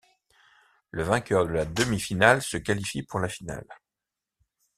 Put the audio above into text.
Le vainqueur de la demi-finale se qualifie pour la finale.